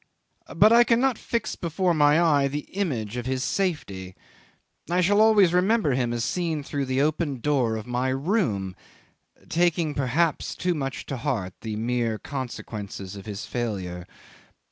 But I cannot fix before my eye the image of his safety. I shall always remember him as seen through the open door of my room, taking, perhaps, too much to heart the mere consequences of his failure.